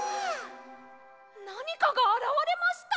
なにかがあらわれました！